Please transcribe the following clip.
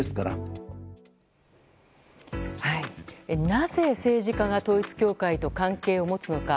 なぜ政治家が統一教会と関係を持つのか。